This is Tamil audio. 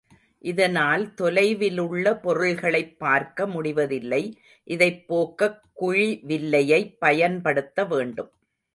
இதனால் தொலைவிலுள்ள பொருள்களைப் பார்க்க முடிவதில்லை.இதைப் போக்கக் குழிவில்லையைப் பயன்படுத்த வேண்டும்.